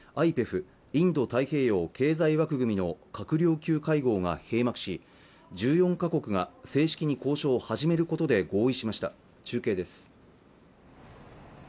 ＩＰＥＦ＝インド太平洋経済枠組みの閣僚級会合が閉幕し１４か国が正式に交渉を始めることで合意しました中継です